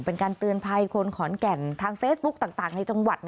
เป็นการเตือนภัยคนขอนแก่นทางเฟซบุ๊กต่างในจังหวัด